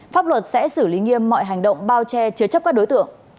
pháp luật sẽ xử lý nghiêm mọi hành động bao che chứa chấp các đối tượng